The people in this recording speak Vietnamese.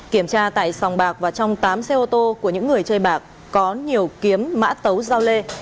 kiểm tra tại sòng bạc và trong tám xe ô tô của những người chơi bạc có nhiều kiếm mã tấu giao lê